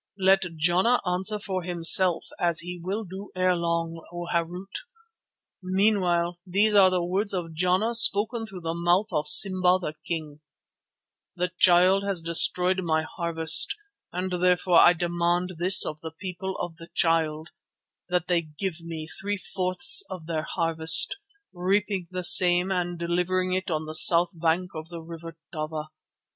"Let Jana answer for himself, as he will do ere long, O Harût. Meanwhile, these are the words of Jana spoken through the mouth of Simba the King: The Child has destroyed my harvest and therefore I demand this of the people of the Child—that they give me three fourths of their harvest, reaping the same and delivering it on the south bank of the River Tava.